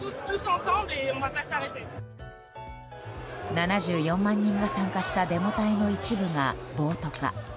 ７４万人が参加したデモ隊の一部が暴徒化。